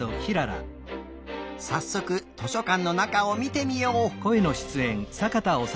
さっそく図書かんのなかをみてみよう！